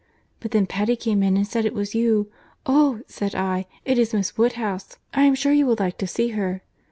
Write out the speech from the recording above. But then Patty came in, and said it was you. 'Oh!' said I, 'it is Miss Woodhouse: I am sure you will like to see her.